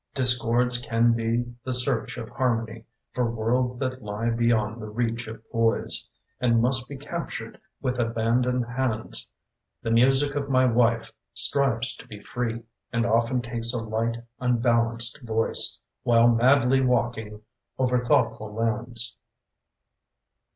Discords can be the search of harmony For worlds that lie beyond the reach of poise And must be captured with abandoned hands. The music of my wife strives to be free And often takes a light, unbalanced voice While madly walking over thoughtful lands.